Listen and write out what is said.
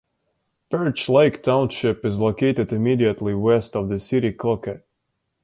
Perch Lake Township is located immediately west of the city of Cloquet.